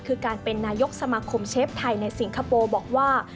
คือการเป็นนายกสมาคมเชฟไทยในสิงคโปร์บอกว่า